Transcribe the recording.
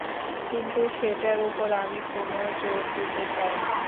কিন্তু সেটার উপর আমি কোনো জোর দিতে চাই নে।